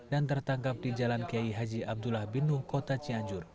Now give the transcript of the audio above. dan tertangkap di jalan kiai haji abdullah bindu kota cianjur